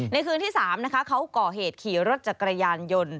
คืนที่๓นะคะเขาก่อเหตุขี่รถจักรยานยนต์